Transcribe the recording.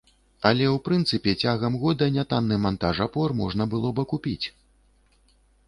Але, у прынцыпе, цягам года нятанны мантаж апор можна было б акупіць.